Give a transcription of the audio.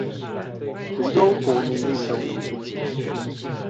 蘆洲國民運動中心